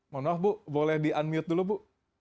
mohon maaf bu boleh di unmute dulu bu